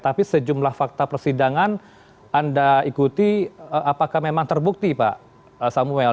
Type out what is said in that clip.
tapi sejumlah fakta persidangan anda ikuti apakah memang terbukti pak samuel